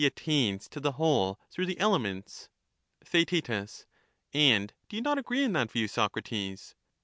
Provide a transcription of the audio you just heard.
attains to the whole through the elements. Theaet, And do you not agree in that view, Socrates